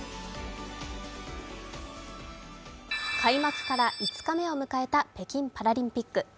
開幕から５日目を迎えた北京パラリンピック。